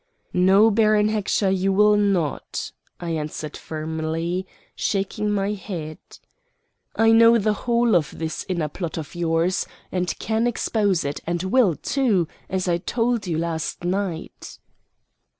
"No, Baron Heckscher, you will not," I answered firmly, shaking my head. "I know the whole of this inner plot of yours, and can expose it, and will, too, as I told you last night."